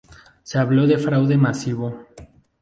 Se habló de fraude masivo.